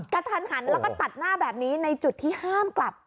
กระทันหันแล้วก็ตัดหน้าแบบนี้ในจุดที่ห้ามกลับ